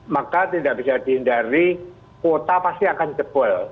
maka tidak bisa dihindari kuota pasti akan jebol